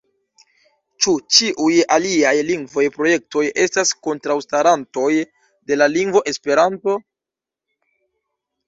Ĉu ĉiuj aliaj lingvaj projektoj estas kontraŭstarantoj de la lingvo Esperanto?